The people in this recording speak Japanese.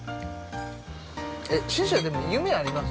◆えっ、師匠、夢あります？